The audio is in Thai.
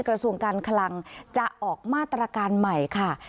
กระทรวงการคลังจะออกมาตรการใหม่ค่ะ